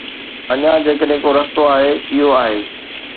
اڃا، جيڪڏهن ڪو رستو آهي، اهو آهي.